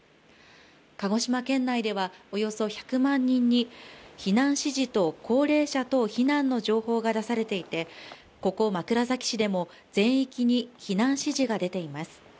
鹿児島県内ではおよそ１００万人に避難指示と高齢者等避難の情報が出されていてここ枕崎市でも全域に避難指示が出ています。